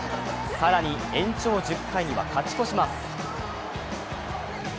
更に延長１０回には勝ち越します。